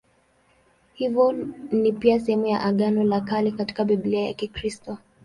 Hivyo ni pia sehemu ya Agano la Kale katika Biblia ya Kikristo.